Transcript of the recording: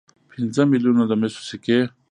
پنځه میلیونه د مسو سکې.